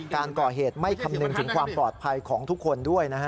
การก่อเหตุไม่คำนึงถึงความปลอดภัยของทุกคนด้วยนะฮะ